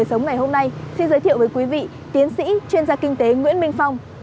với đời sống ngày hôm nay xin giới thiệu với quý vị tiến sĩ chuyên gia kinh tế nguyễn minh phong